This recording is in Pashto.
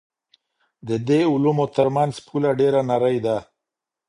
د دې علومو ترمنځ پوله ډېره نرۍ ده.